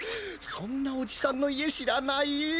そんなおじさんのいえしらない？